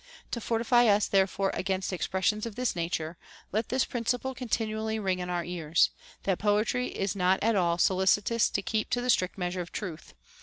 To fortify us therefore against expressions of this nature, let this princi ple continually ring in our ears, that poetry is not at all solicitous to keep to the strict measure of truth.